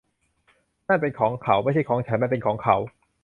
นั่นเป็นของเขา ไม่ใช่ของฉัน มันเป็นของเขา